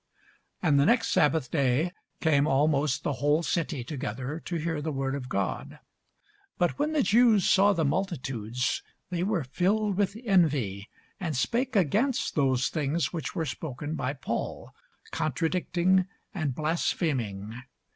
And the next sabbath day came almost the whole city together to hear the word of God. But when the Jews saw the multitudes, they were filled with envy, and spake against those things which were spoken by Paul, contradicting and blaspheming.